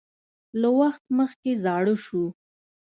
له وخت مخکې زاړه شو